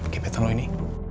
kepetan lo ini